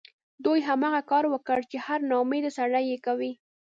دوی هماغه کار وکړ چې هر ناامیده سړی یې کوي